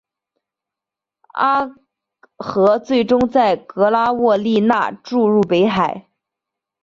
阿河最终在格拉沃利讷注入北海。